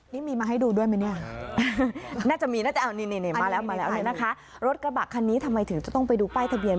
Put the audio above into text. นี่มีมาให้ดูด้วยมั้ยเนี่ยน่าจะมีน่าจะเอานี่มาแล้วรถกระบะคันนี้ทำไมถึงจะต้องไปดูป้ายทะเบียน